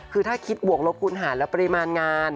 คือถ้าคิดบวกลบคูณหารและปริมาณงาน